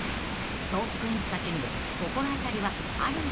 ［トークィーンズたちにも心当たりはあるんでしょうか］